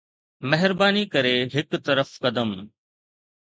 مهرباني ڪري هڪ طرف قدم